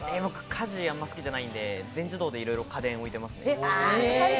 家事好きじゃないんで、全自動でいろいろ家電を置いてますね。